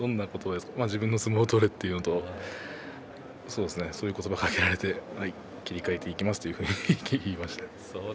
自分の相撲を取れというのとそういう言葉をかけられて切り替えていきますというふうに言いました。